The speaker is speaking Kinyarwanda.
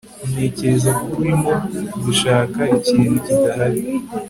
Ntekereza ko urimo gushaka ikintu kidahari